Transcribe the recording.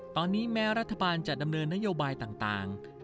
ตอนนี้แม้รัฐบาลจะดำเนินนโยบายต่าง